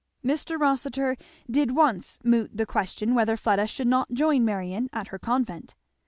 Mr. Rossitur did once moot the question whether Fleda should not join Marion at her convent.